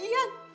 lo tau dong